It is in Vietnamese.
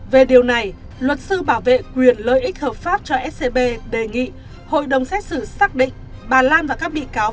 về điều này luật sư bảo vệ quyền lợi ích hợp pháp cho scb đề nghị hội đồng xét xử xác định bà lan và các bị cáo